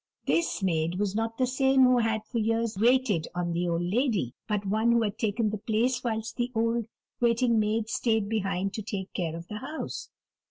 This maid was not the same who had for years waited on the old lady, but one who had taken the place whilst the old waiting maid stayed behind to take care of the house.